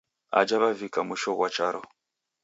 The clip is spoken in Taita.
Aja wavika mwisho ghwa charo.